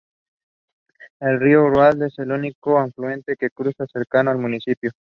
El Río Ulúa es el único afluente que cruza cercano al municipio.